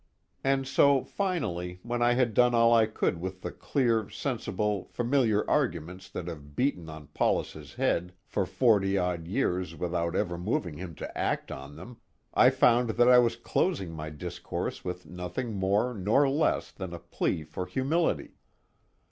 And so finally, when I had done all I could with the clear, sensible, familiar arguments that have beaten on Paulus' head for forty odd years without ever moving him to act on them, I found that I was closing my discourse with nothing more nor less than a plea for humility.